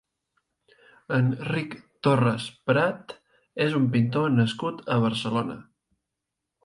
Enric Torres-Prat és un pintor nascut a Barcelona.